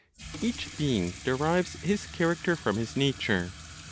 Each being derives his character from his nature.